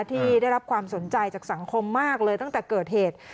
ที่ได้รับความสนใจจากสังคมมากเลยตั้งแต่เกิดเหตุ